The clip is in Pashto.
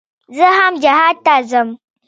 زه هم جهاد ته ځم کنه.